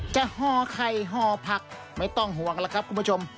ห่อไข่ห่อผักไม่ต้องห่วงแล้วครับคุณผู้ชม